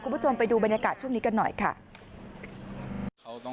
คุณผู้ชมไปดูบรรยากาศช่วงนี้กันหน่อยค่ะ